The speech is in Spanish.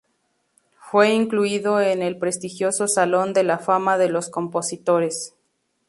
Fue incluido en el prestigioso Salón de la Fama de los Compositores.